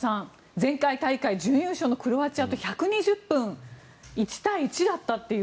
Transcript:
前回大会準優勝のクロアチアと１２０分、１対１だったという。